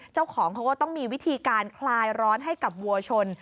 เจ้าของเขาก็ต้องมีวิธีการคลายร้อนให้กับวัวชน